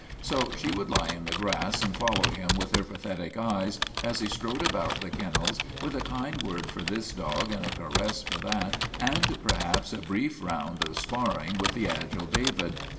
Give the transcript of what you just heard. So she would lie in the grass and follow him with her pathetic eyes as he strode about the kennels with a kind word for this dog and a caress for that, and perhaps a brief round of spar ring with the agile David.